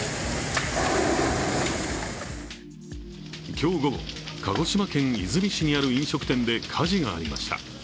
今日午後、鹿児島県出水市にある飲食店で火事がありました。